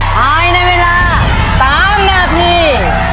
ภายในเวลา๓นาที